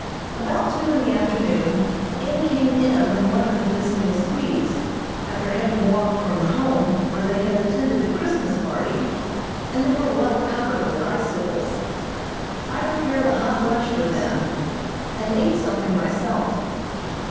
About two in the afternoon in came M. and one of the visiting Swedes, after having walked from the Home, where they had attended the Christmas party, and they were well covered with icicles. I prepared a hot lunch for them, and ate something myself.